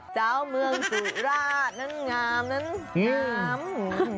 เจ้าเมืองสุราชนั่นงามนั่นคล้ำ